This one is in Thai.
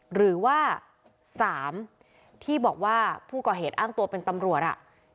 หรือว่า๓ที่บอกว่าผู้ก่อเหตุอ้างตัวเป็นตำรวจ